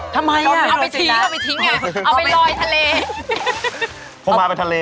ทำไมน่ะเอาไปทิ้งนี่เอาไปลอยทะเล